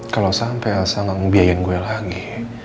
kalau sampai elsa gak ngebiayain gue lagi